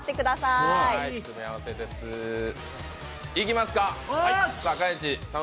いきますか。